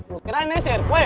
lo kirain esnya serpue